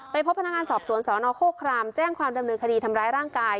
พบพนักงานสอบสวนสนโครครามแจ้งความดำเนินคดีทำร้ายร่างกาย